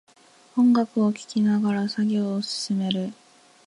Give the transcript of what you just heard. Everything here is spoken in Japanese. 音楽を聴きながら作業を進める